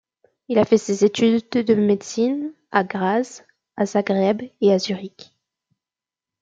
Il fait ses études de médecine à Graz, à Zagreb et à Zurich.